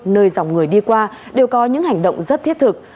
nơi dòng người đi qua đều có những hành động rất thiết thực